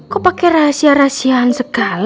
kok pake rahasia rahasiaan segala